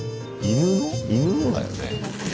犬のだよね。